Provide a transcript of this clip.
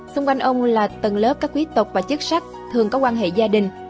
xung quanh ông là tầng lớp các quý tộc và chức sắc thường có quan hệ gia đình